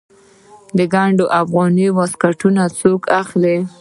د ګنډ افغاني واسکټونه څوک اخلي؟